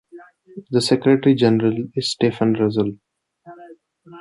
The Secretary-General is Stephen Russell.